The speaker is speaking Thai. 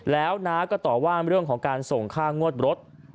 แล้วน้าก็ตอบว่าเรื่องของการส่งค่างวดรถ